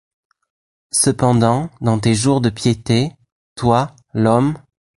Cependant, dans tes jours de piété, toi, l’homme